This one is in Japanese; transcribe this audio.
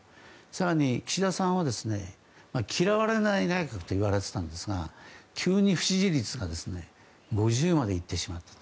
更に岸田さんは、嫌われない内閣と言われていたんですが急に不支持率が５０までいってしまった。